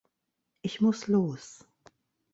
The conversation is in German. Ich muß los.